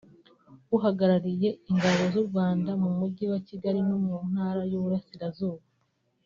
uhagarariye ingabo z’ u Rwada mu mujyi wa Kigali no mu Ntara y’ Iburasirazuba